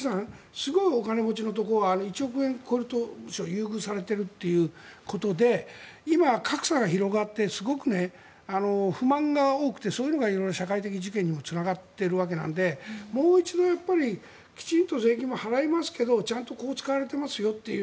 すごいお金持ちのところは１億円超えると優遇されているということで今、格差が広がってすごく不満が多くてそういうのが色々社会的事件にもつながっているわけなのでもう一度やっぱりきちんと税金も払いますけどちゃんとこう使われていますよという。